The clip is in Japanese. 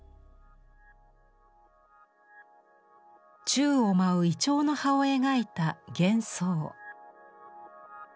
宙を舞うイチョウの葉を描いた「幻想」。